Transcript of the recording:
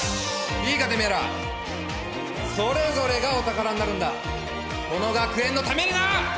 いいかてめえらそれぞれがお宝になるんだこの学園のためにな！